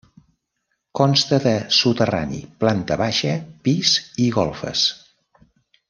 Consta de soterrani, planta baixa, pis i golfes.